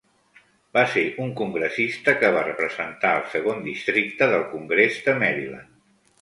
Va ser un congressista que va representar el segon districte del congrés de Maryland.